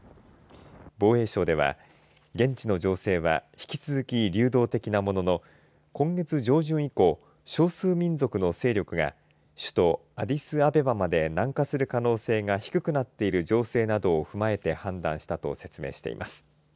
防衛省では現地の情勢は、引き続き流動的なものの今月、上旬以降少数民族の勢力が首都アディスアベバまで南下する可能性が低くなっている情勢などを踏まえて判断したと説明しています。